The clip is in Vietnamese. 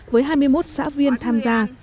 với hai mươi một xã viên tham gia